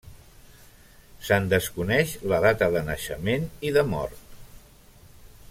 Se'n desconeix la data de naixement i de mort.